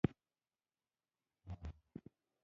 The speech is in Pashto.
درناوی د نړۍ د صلحې او ورورګلوۍ لپاره اړین دی.